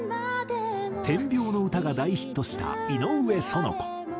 『点描の唄』が大ヒットした井上苑子。